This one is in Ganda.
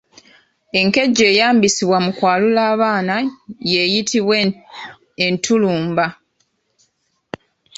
Enkejje eyeeyambisibwa mu kwalula abaana y’eyitibwa Entulumba.